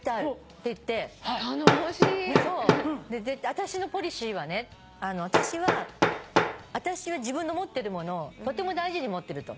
「あたしのポリシーはねあたしは自分の持ってるものをとても大事に持ってる」と。